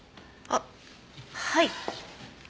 あっはい。